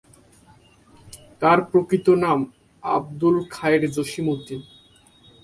তার প্রকৃত নাম আবদুল খায়ের জসিম উদ্দিন।